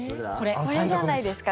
これじゃないですか？